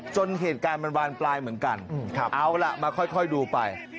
จนเหตุการณ์มันบานปลายเหมือนกันเอาล่ะมาค่อยดูไป